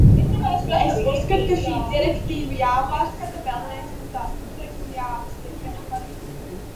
Es uzskatu, ka šī direktīva jāpārskata vēlreiz un tās noteikumi jāpastiprina.